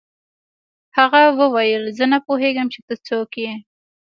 هغه وویل زه نه پوهېږم چې ته څوک یې